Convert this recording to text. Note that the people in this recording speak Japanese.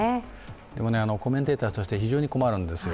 でもコメンテーターとして非常に困るんですよ。